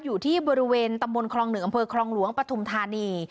อยู่ที่บริเวณตำบลคลอง๑อำเภอคลองหลวงปฐุมธานี